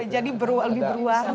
jadi lebih berwarna